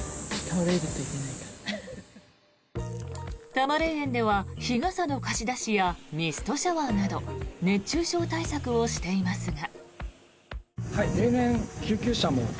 多磨霊園では日傘の貸し出しやミストシャワーなど熱中症対策をしていますが。